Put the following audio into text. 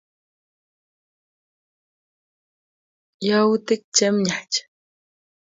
yautik chemyach